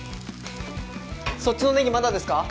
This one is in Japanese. そっちのネギまだですか？